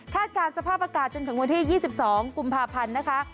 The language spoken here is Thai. การสภาพอากาศจนถึงวันที่๒๒กุมภาพันธ์นะคะ